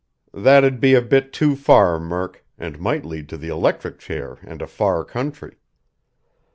"That'd be a bit too far, Murk, and might lead to the electric chair and a far country.